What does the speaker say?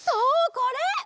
これ！